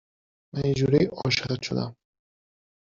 من یه جورایی عاشقت شدم